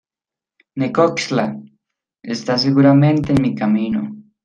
Necoxtla, está seguramente en mi camino.